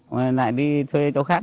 rồi lại đi thuê chỗ khác